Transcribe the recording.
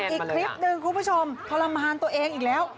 อีกคลิปหนึ่งคุณผู้ชมทรมานตัวเองอีกแล้ว